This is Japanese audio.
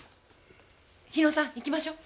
日野さん行きましょう。